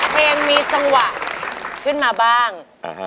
เพลงมีจังหวะขึ้นมาบ้าง